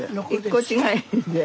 １個違いで。